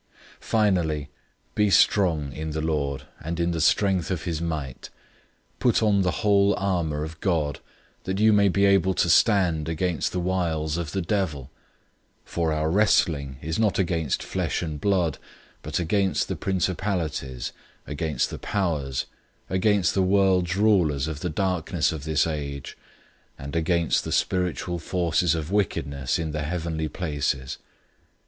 006:010 Finally, be strong in the Lord, and in the strength of his might. 006:011 Put on the whole armor of God, that you may be able to stand against the wiles of the devil. 006:012 For our wrestling is not against flesh and blood, but against the principalities, against the powers, against the world's rulers of the darkness of this age, and against the spiritual forces of wickedness in the heavenly places.